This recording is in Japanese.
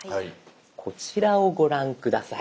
こちらをご覧下さい。